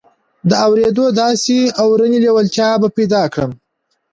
د اورېدو داسې اورنۍ لېوالتیا به پيدا کړم.